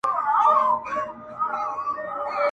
نمونې مي دي په كور كي د دامونو،